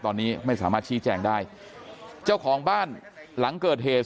ตอนนี้ไม่สามารถชี้แจงได้เจ้าของบ้านหลังเกิดเหตุ